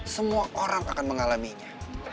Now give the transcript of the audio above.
semua orang akan mengalaminya